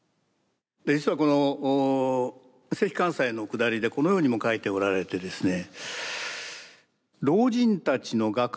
実はこの関寛斎のくだりでこのようにも書いておられてですね